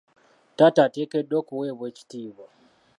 Taata ateekeddwa okuweebwa ekitiibwa.